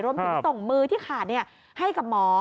รวมถึงส่งมือที่ขาดให้กับหมอ